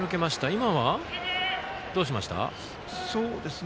今は、どうしました？